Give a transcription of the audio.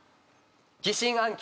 疑心暗鬼。